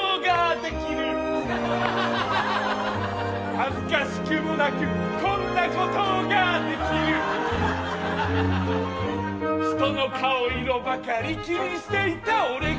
「恥ずかしくもなくこんなことができる」「人の顔色ばかり気にしていた俺が」